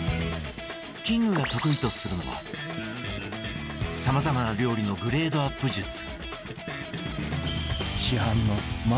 キングが得意とするのはさまざまな料理のグレードアップ術